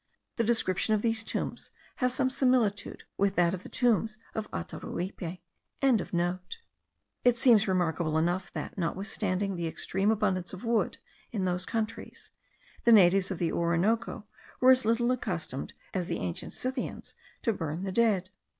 The description of these tombs has some similitude with that of the tombs of Ataruipe.) It seems remarkable enough that, notwithstanding the extreme abundance of wood in those countries, the natives of the Orinoco were as little accustomed as the ancient Scythians to burn the dead.